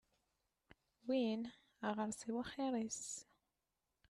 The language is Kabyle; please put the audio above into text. Win aɣersiw axir-is.